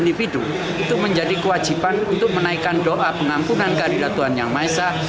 individu itu menjadi kewajiban untuk menaikkan doa pengampunan keadilan tuhan yang maha esa